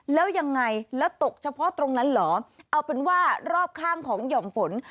แล้วยังไงแล้วตกเฉพาะตรงนั้นเหรอเอาเป็นว่ารอบข้างของหย่อมฝน